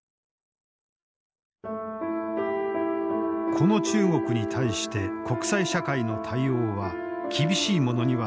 この中国に対して国際社会の対応は厳しいものにはならなかった。